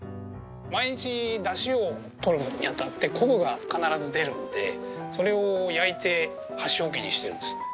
毎日だしを取るのにあたってコブが必ず出るのでそれを焼いて箸置きにしてるんです。